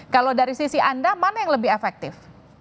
kalau dari sisi anda mana yang lebih efektif